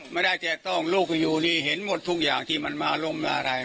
มันขโมยเงินไปก่อนเลย